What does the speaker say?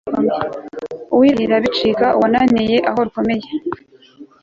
Uwirahira bicika uwananiye aho rukomeye